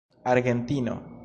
argentino